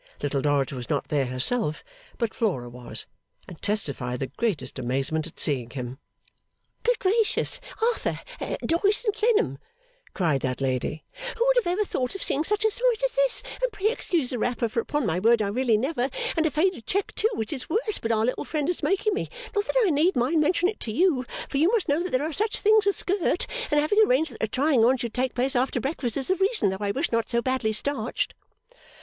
Little Dorrit was not there herself, but Flora was, and testified the greatest amazement at seeing him. 'Good gracious, Arthur Doyce and Clennam!' cried that lady, 'who would have ever thought of seeing such a sight as this and pray excuse a wrapper for upon my word I really never and a faded check too which is worse but our little friend is making me, not that I need mind mentioning it to you for you must know that there are such things a skirt, and having arranged that a trying on should take place after breakfast is the reason though I wish not so badly starched.